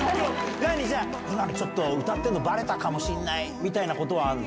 何、じゃあ、ちょっと歌ってるのばれたかもしんないみたいなことはあるの？